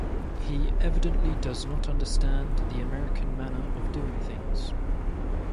He evidently does not understand the American manner of doing things.